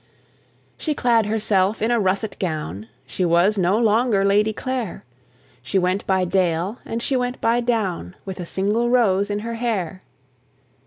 She clad herself in a russet gown, She was no longer Lady Clare: She went by dale, and she went by down, With a single rose in her hair.